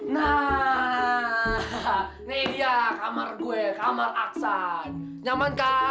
nah ini dia kamar gue kamar aksan nyaman kan